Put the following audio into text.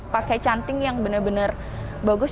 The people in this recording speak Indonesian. pakai canting yang benar benar bagus